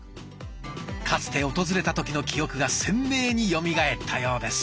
かつて訪れた時の記憶が鮮明によみがえったようです。